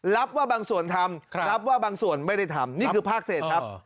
รับว่าบางส่วนทำรับว่าบางส่วนไม่ได้ทำนี่คือภาคเศษครับ